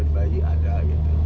bayi ada gitu